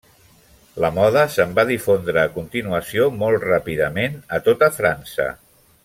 La moda se'n va difondre a continuació molt ràpidament a tota França.